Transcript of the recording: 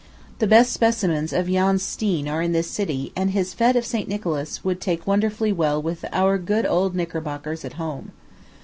The best specimens of Jan Steen are in this city, and his Fête of St. Nicholas would take wonderfully well with our good old Knickerbockers at home.